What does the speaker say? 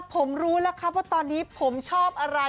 ผมรู้แล้วครับว่าตอนนี้ผมชอบอะไร